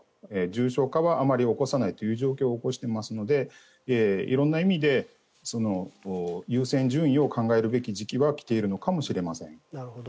重症化はあまり起こさないという状況を起こしていますので色んな意味で優先順位を考えるべき時期は来ているのかもしれません。